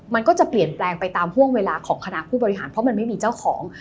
มันก็จะเปลี่ยนแปลงไปตามห่วงเวลาของคณะผู้บริหารเพราะมันไม่มีเจ้าของ